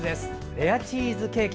レアチーズケーキ。